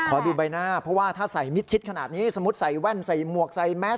ขอดูใบหน้าเพราะว่าถ้าใส่มิดชิดขนาดนี้สมมุติใส่แว่นใส่หมวกใส่แมส